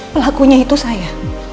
pelakunya itu saya